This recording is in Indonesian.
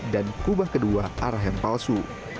dan kubah kedua arah yang palsu